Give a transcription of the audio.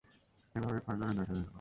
এভাবেই ফজর উদয় হয়ে গেল।